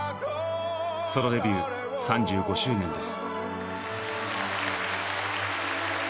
ソロデビュー３５周年です。